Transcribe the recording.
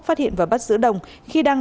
phát hiện và bắt giữ đồng khi đang